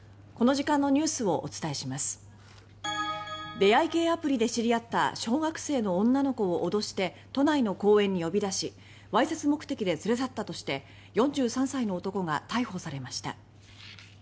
出会い系アプリで知り合った小学生の女の子を脅して公園に呼び出しわいせつ目的で連れ去ったとして４３歳の男が逮捕されました。